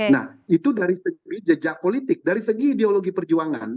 nah itu dari segi jejak politik dari segi ideologi perjuangan